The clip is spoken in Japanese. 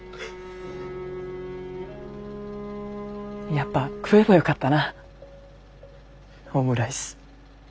やっぱ食えばよかったなオムライス。